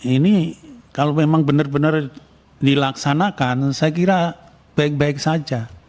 ini kalau memang benar benar dilaksanakan saya kira baik baik saja